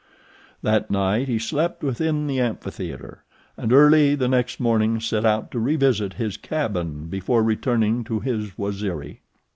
That night he slept within the amphitheater, and early the next morning set out to revisit his cabin before returning to his Waziri.